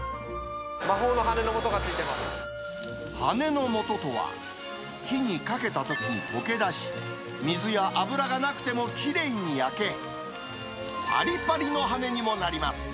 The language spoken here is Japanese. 魔法の羽根のもとがついてま羽根のもととは、火にかけたとき溶け出し、水や油がなくてもきれいに焼け、ぱりぱりの羽根にもなります。